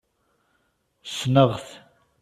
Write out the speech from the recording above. Ssneɣ-t.